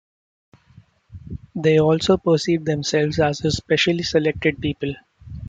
They also perceived themselves as a specially selected people.